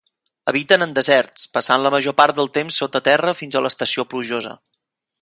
Habiten en deserts, passant la major part del temps sota terra fins a l'estació plujosa.